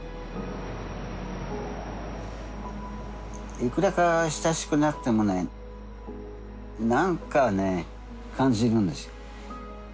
いくらか親しくなってもねなんかね感じるんですよ。